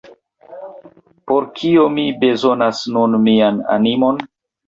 Por kio mi bezonas nun mian animon?